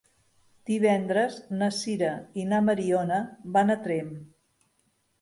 Divendres na Sira i na Mariona van a Tremp.